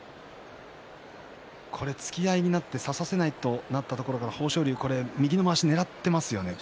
突き合いになって差させないとなったところ豊昇龍は右のまわしをねらっていますよね。